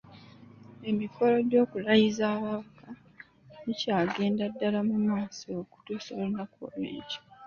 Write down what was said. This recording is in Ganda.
Emikolo gy’okulayiza ababaka gikyagendera ddala mu maaso okutuusa olunaku olw’enkya.